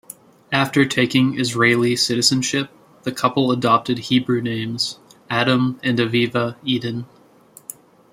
After taking Israeli citizenship, the couple adopted Hebrew names: Adam and Aviva Eden.